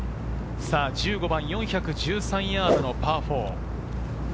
１５番４１３ヤードのパー４。